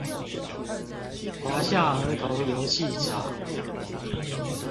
華夏兒童遊戲場